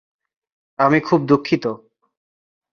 আমি খুব দুঃখিত।